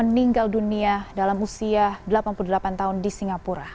meninggal dunia dalam usia delapan puluh delapan tahun di singapura